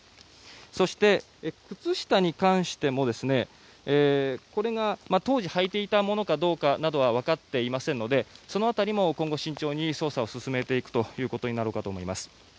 そして靴下に関してもこれが当時はいていたものかどうかは分かっていませんのでその辺りも今後慎重に捜査を進めていくことになるかと思います。